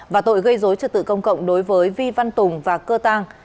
và tội gây dối trực tự công cộng đối với vi văn tùng và cơ tàng